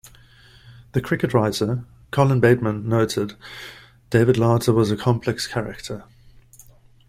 The cricket writer, Colin Bateman, noted, David Larter was a complex character.